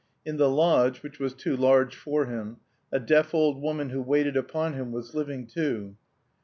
In the lodge, which was too large for him, a deaf old woman who waited upon him was living too.